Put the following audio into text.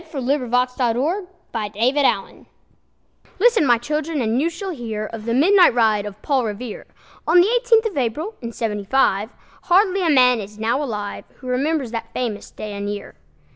PAUL REVERE'S RIDE [April 18 19, 1775] Listen, my children, and you shall hear Of the midnight ride of Paul Revere, On the eighteenth of April, in Seventy five; Hardly a man is now alive Who remembers that famous day and year.